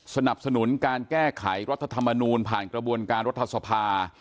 สนับสนุนการแก้ไขรัฐธรรมนูลผ่านกระบวนการรัฐสภา